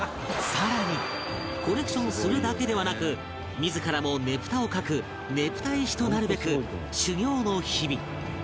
さらにコレクションするだけではなく自らもねぷたを描くねぷた絵師となるべく修業の日々